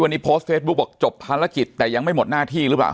อย่าเพิ่งหยุดสิ